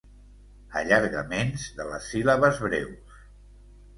Allargaments de les síl·labes breus.